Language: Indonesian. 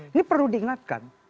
ini perlu diingatkan